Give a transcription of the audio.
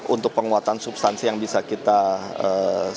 untuk penguatan substansi yang bisa kita lakukan